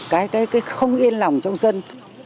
cái không yên lòng trong dân